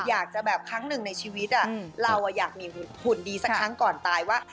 อยากจะแบบครั้งหนึ่งในชีวิตเราอยากมีหุ่นดีสักครั้งก่อนตายว่า